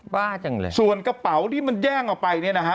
บ้าจังเลยส่วนกระเป๋าที่มันแย่งออกไปเนี่ยนะฮะ